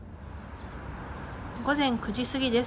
午前９時過ぎです。